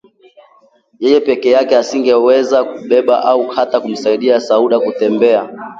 Yeye peke yake asingaliweza kumbeba au hata kumsaidia Sauda kutembea